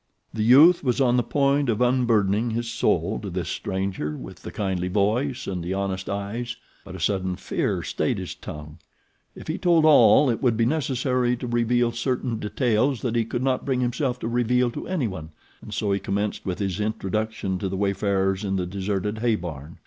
The youth was on the point of unburdening his soul to this stranger with the kindly voice and the honest eyes; but a sudden fear stayed his tongue. If he told all it would be necessary to reveal certain details that he could not bring himself to reveal to anyone, and so he commenced with his introduction to the wayfarers in the deserted hay barn.